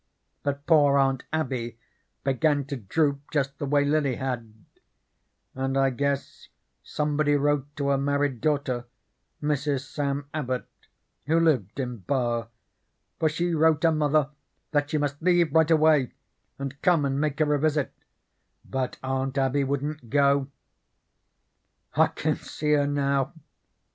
But poor Aunt Abby begun to droop just the way Lily had, and I guess somebody wrote to her married daughter, Mrs. Sam Abbot, who lived in Barre, for she wrote her mother that she must leave right away and come and make her a visit, but Aunt Abby wouldn't go. I can see her now.